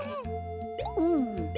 うん。